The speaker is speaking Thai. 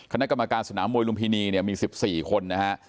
คณะกรรมการสนามมวยลุมพินีเนี่ยมี๑๔คนนะฮะ